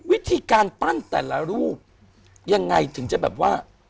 วิธีการปั้นแต่ละรูปยังไงถึงจะแบบว่า